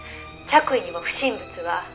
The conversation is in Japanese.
「着衣にも不審物は」